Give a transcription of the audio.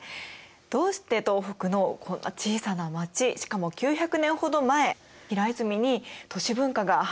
どうして東北のこんな小さな町しかも９００年ほど前平泉に都市文化が花開いたんでしょうか？